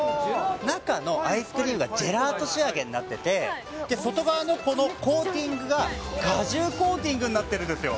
中のアイスクリームがジェラート仕上げになってて、外側のこのコーティングが果汁コーティングになってるんですよ。